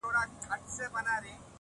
هغه ښکلی کړی دی